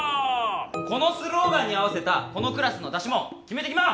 このスローガンに合わせたこのクラスの出し物決めていきます